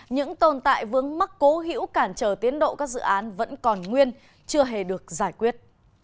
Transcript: những tồn tại vướng mắc cố hữu cản trở tiến độ các dự án vẫn còn nguyên chưa hề được giải quyết